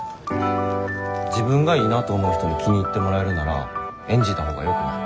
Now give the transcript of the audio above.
自分がいいなと思う人に気に入ってもらえるなら演じたほうがよくない？